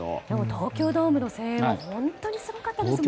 東京ドームの声援も本当にすごかったですよね。